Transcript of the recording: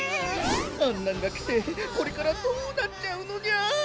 あんなんがきてこれからどうなっちゃうのニャ！？